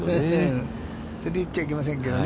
それを言っちゃいけませんけどね。